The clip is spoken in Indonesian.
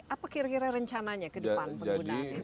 apa kira kira rencananya ke depan penggunaan itu